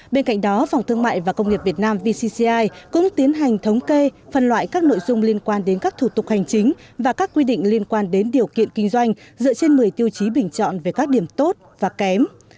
bên cạnh đó phòng thương mại và công nghiệp việt nam vcci cũng tiến hành thống kê phân loại các nội dung liên quan đến các thủ tục hành chính và các quy định liên quan đến điều kiện kinh doanh dựa trên một mươi tiêu chí bình chọn về các điểm tốt và kém